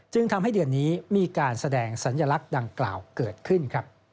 ทำให้เดือนนี้มีการแสดงสัญลักษณ์ดังกล่าวเกิดขึ้น